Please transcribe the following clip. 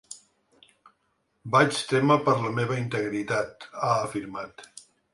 Vaig témer per la meva integritat, ha afirmat.